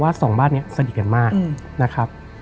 หรือว่าสองบ้านนี้สดิกันมาก